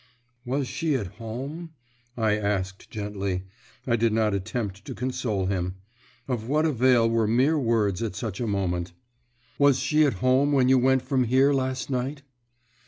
"Was she at home?" I asked gently; I did not attempt to console him. Of what avail were mere words at such a moment? "Was she at home when you went from here last night?"